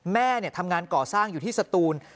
แม่ทำงานก่อสร้างอยู่ที่สตูน